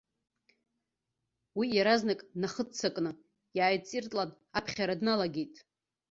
Уи иаразнак днахыццакны иааиҵиртлан аԥхьара дналагеит.